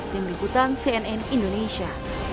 tim berikutan cnn indonesia